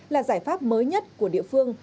là giải pháp mới nhất của địa phương